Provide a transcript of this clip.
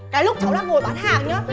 cái lúc cháu đang ngồi bán hàng nhá